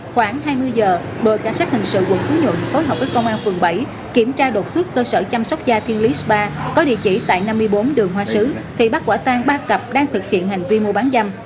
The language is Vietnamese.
khoảng hai mươi giờ đội cảnh sát hình sự quận phú nhuận phối hợp với công an phường bảy kiểm tra đột xuất cơ sở chăm sóc da thiên lý s ba có địa chỉ tại năm mươi bốn đường hoa sứ thì bắt quả tan ba cặp đang thực hiện hành vi mua bán dâm